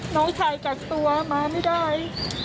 น้องชายกักตัวมาไม่ได้